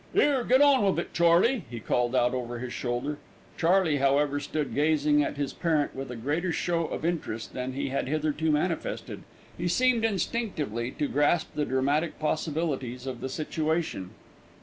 "'Ere, get on wiv it, Charley," he called out over his shoulder. Charley, however, stood gazing at his parent with a greater show of interest than he had hitherto manifested. He seemed instinctively to grasp the dramatic possibilities of the situation.